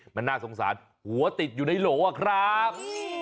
มันน่าสงสารหัวติดอยู่ในโหลอะครับ